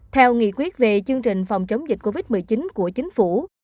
theo nghị quyết về chương trình phòng chống dịch covid một mươi chín của chính phủ